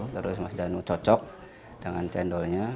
terus mas danu cocok dengan cendolnya